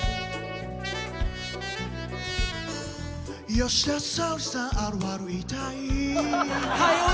「吉田沙保里さんあるある言いたい」